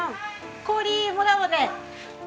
氷もらうわね。